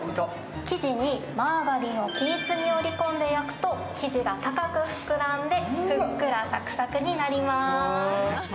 生地にマーガリンを均一に折り込んで焼くと生地が高く膨らんでふっくらサクサクになります。